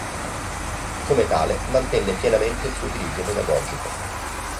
Come tale mantenne pienamente il suo utilizzo pedagogico.